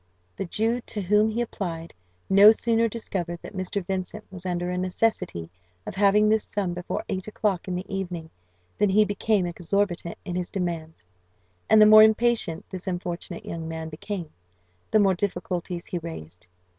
The Jew, to whom he applied, no sooner discovered that Mr. Vincent was under a necessity of having this sum before eight o'clock in the evening than he became exorbitant in his demands; and the more impatient this unfortunate young man became, the more difficulties he raised.